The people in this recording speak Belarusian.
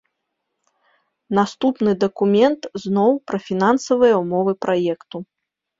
Наступны дакумент зноў пра фінансавыя ўмовы праекту.